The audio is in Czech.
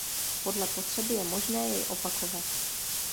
Podle potřeby je možné jej opakovat.